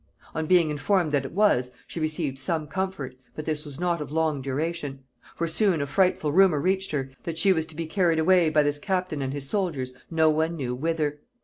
On being informed that it was, she received some comfort, but this was not of long duration; for soon a frightful rumor reached her, that she was to be carried away by this captain and his soldiers no one knew whither.